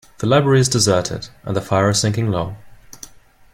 The library is deserted, and the fire is sinking low.